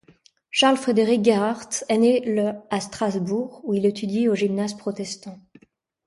Charles Frédéric Gerhardt est né le à Strasbourg, où il étudie au gymnase protestant.